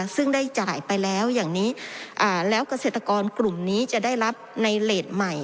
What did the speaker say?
ซึ่งได้จ่ายไปแล้วอย่างนี้แล้วเกษตรกรกลุ่มนี้จะได้รับในเลสใหม่